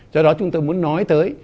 do đó chúng tôi muốn nói tới